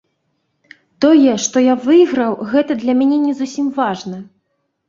Тое, што я выйграў, гэта для мяне не зусім важна.